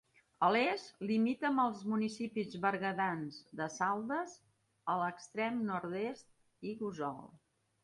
A l'est, limita amb els municipis berguedans de Saldes, a l'extrem nord-est, i Gósol.